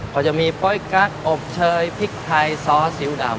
เขาจะมีโป๊ยกั๊กอบเชยพริกไทยซอสซิลดำ